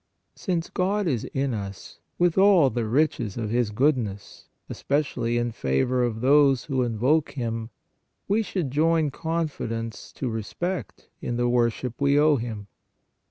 Since God is in us, with all the riches of His goodness, especially in favor of those who invoke Him, we should join confidence to respect in the worship we owe Him.